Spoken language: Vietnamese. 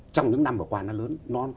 trong những năm vừa qua nó lớn